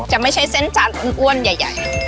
จะไม่ใช่เส้นจำอ้วนใหญ่ใหญ่